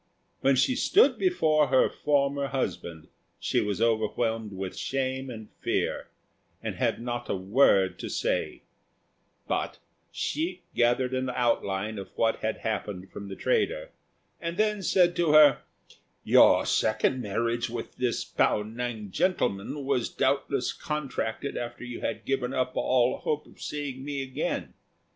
When she stood before her former husband, she was overwhelmed with shame and fear, and had not a word to say; but Hsi gathered an outline of what had happened from the trader, and then said to her, "Your second marriage with this Pao ning gentleman was doubtless contracted after you had given up all hope of seeing me again.